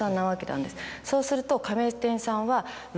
そうすると。